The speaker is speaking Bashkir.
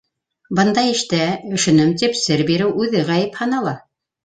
Бындай эштә, өшөнөм, тип сер биреү үҙе ғәйеп һанала.